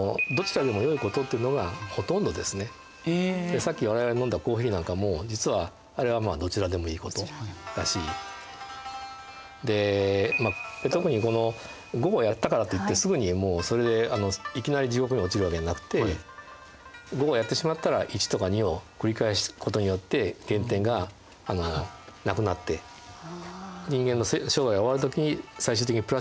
さっき我々が飲んだコーヒーなんかも実はあれはどちらでもいいことだしで特にこの５もやったからといってすぐにそれでいきなり地獄に落ちるわけでなくて５をやってしまったら１とか２を繰り返すことによって減点がなくなってそういう考え方ですね。